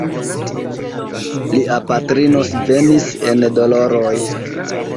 Lia patrino svenis en doloroj.